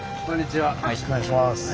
よろしくお願いします。